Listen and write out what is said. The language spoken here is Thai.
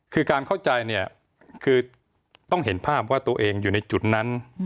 คือการเข้าใจเนี่ยคือต้องเห็นภาพว่าตัวเองอยู่ในจุดนั้น